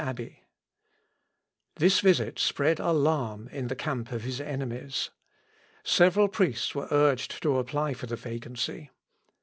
] This visit spread alarm in the camp of his enemies. Several priests were urged to apply for the vacancy.